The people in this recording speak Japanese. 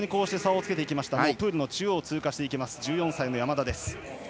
プールの中央を通過した１４歳の山田です。